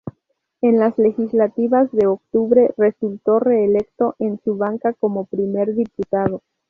En las legislativas de octubre resultó reelecto en su banca como primer diputado.